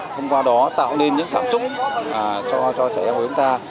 thông qua đó tạo nên những cảm xúc cho trẻ em của chúng ta